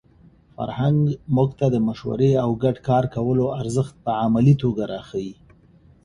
فرهنګ موږ ته د مشورې او ګډ کار کولو ارزښت په عملي توګه راښيي.